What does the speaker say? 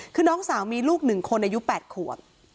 คือน้องสาวมีลูก๑คนอายุ๘ขวบ